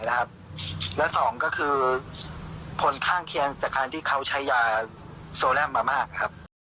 และ๒ก็คือผลท่างเคียงจากระที่เขาใช้ยาโซนั่มมามากครับ